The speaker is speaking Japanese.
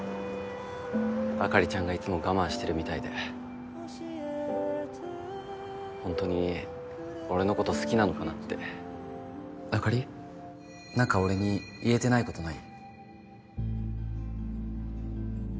あかりちゃんがいつも我慢してるみたいでホントに俺のこと好きなのかなってあかり？何か俺に言えてないことない？